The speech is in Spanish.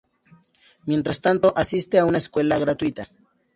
Mientras tanto, asiste a una escuela gratuita.